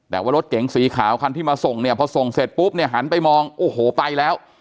แต่ว่ารถเก๋งสีขาวคันที่มาส่งเนี่ยพอส่งเสร็จปุ๊บเนี่ยหันไปมองโอ้โหไปแล้ว